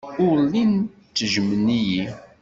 Ur llin ttejjmen-iyi.